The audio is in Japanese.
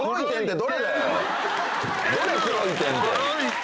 どれ、黒い点って？